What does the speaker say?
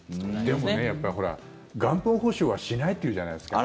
でも、やっぱり元本保証はしないっていうじゃないですか。